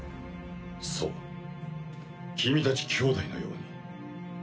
そう君たち兄妹のように。